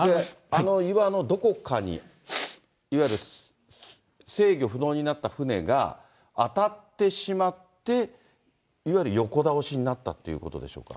あの岩のどこかに、いわゆる制御不能になった船が当たってしまって、いわゆる横倒しになったっていうことでしょうか。